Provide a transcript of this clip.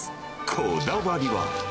こだわりは。